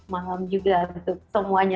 maham juga untuk semuanya